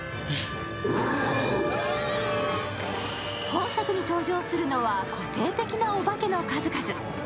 本作に登場するのは、個性的なおばけの数々。